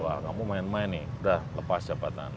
wah kamu main main nih udah lepas jabatan